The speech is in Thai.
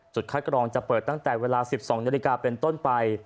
คัดกรองจะเปิดตั้งแต่เวลา๑๒นาฬิกาเป็นต้นไป